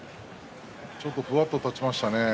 ちょっとふわっと立ちましたね。